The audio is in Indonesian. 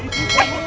aku akan menang